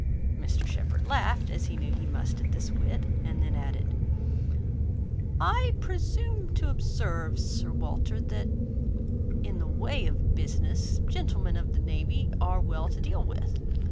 Mr Shepherd laughed, as he knew he must, at this wit, and then added— "I presume to observe, Sir Walter, that, in the way of business, gentlemen of the navy are well to deal with.